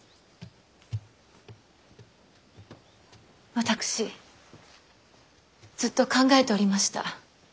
私ずっと考えておりました。